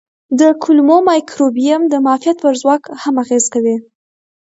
د کولمو مایکروبیوم د معافیت پر ځواک هم اغېز کوي.